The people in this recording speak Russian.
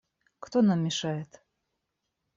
Кто нам мешает?